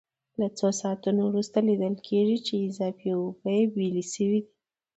له څو ساعتونو وروسته لیدل کېږي چې اضافي اوبه یې بېلې شوې.